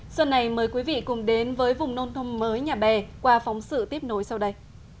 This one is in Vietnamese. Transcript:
xuân này mời quý vị cùng đến với vùng nông thôn mới nhà bè qua phóng sự tiếp nối sau đây